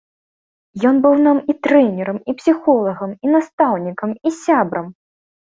Ён быў нам і трэнерам, і псіхолагам, і настаўнікам, і сябрам!!!